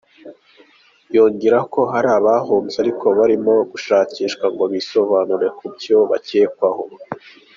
Yongeraho ko hari abahunze ariko barimo gushakishwa ngo bisobanure ku byo bakekwaho.